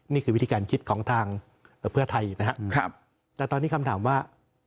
นี่คือวิธีการคิดของทางเพื่อไทยนะครับแต่ตอนนี้คำถามว่า